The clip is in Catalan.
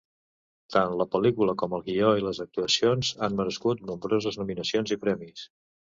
Tant la pel·lícula com el guió i les actuacions han merescut nombroses nominacions i premis.